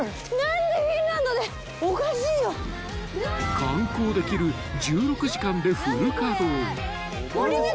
［観光できる１６時間でフル稼働］